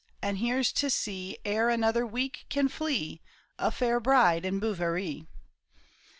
and here's to see Ere another week can flee, A fair bride in Bouverie